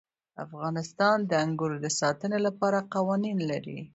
افغانستان د انګورو د ساتنې لپاره قوانین لري.